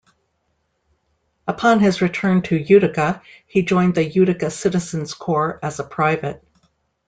Upon his return to Utica, he joined the Utica Citizen's Corps as a private.